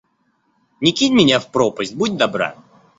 Не кинь меня в пропасть, будь добра.